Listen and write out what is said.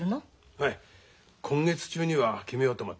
はい今月中には決めようと思ってます。